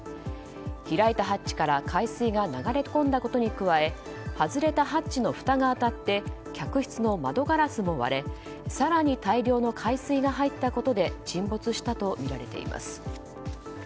開いたハッチから海水が流れ込んだことに加え外れたハッチのふたが当たって客室の窓ガラスも割れ更に大量の海水が入ったことで沈没したとみられています。